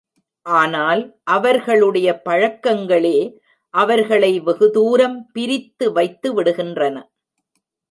ஆனால் அவர்களுடைய பழக்கங்களே அவர்களை வெகுதூரம் பிரித்து வைத்து விடுகின்றன.